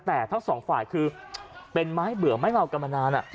แต่ทั้งสองฝ่ายคือเป็นไม้เบื่อไม้เมากันมานาน